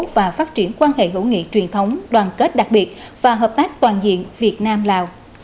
và phát triển quan hệ hữu nghị truyền thống đoàn kết đặc biệt và hợp tác toàn diện việt nam lào